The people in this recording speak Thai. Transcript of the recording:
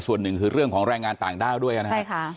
ส่วนหนึ่งคือเรื่องของแรงงานต่างด้าวด้วยนะครับใช่ค่ะ